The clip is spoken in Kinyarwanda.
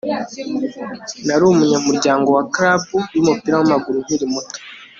nari umunyamuryango wa club yumupira wamaguru nkiri muto